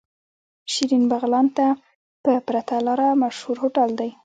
شيرين بغلان ته په پرته لاره مشهور هوټل دی.